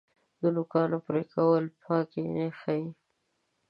د نوکانو پرې کول پاکي ښیي.